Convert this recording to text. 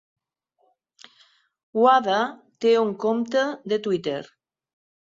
Wada té un compte de Twitter.